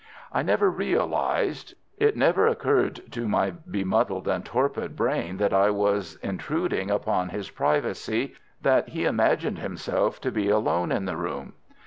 I never realized—it never occurred to my bemuddled and torpid brain that I was intruding upon his privacy, that he imagined himself to be alone in the room.